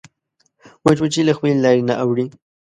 مچمچۍ له خپلې لارې نه اوړي